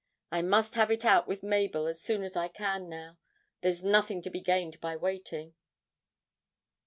I must have it out with Mabel as soon as I can now there's nothing to be gained by waiting!'